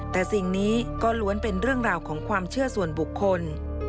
แต่สิ่งนี้ก็ล้วนเป็นเรื่องราวของความเชื่อส่วนบุคคล